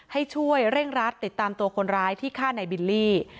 ให้ช่วยเร่งรัดติดตามตัวคนร้ายที่ฆ่าในบิลลี่